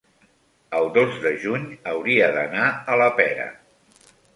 el dos de juny hauria d'anar a la Pera.